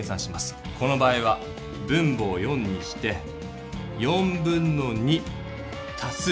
この場合は分母を４にしてたす1/4。